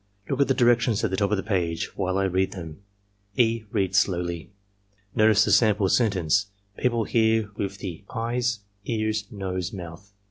Look at the directions at the top of the page while I read them." (E. reads slowly.) "'Notice the sample sentence: People hear with the — eyes — ears — ^nose — ^mouth.